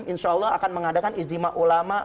insya allah akan mengadakan ijtima ulama